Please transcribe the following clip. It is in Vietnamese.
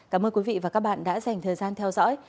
cảm ơn quý vị và các bạn đã dành thời gian theo dõi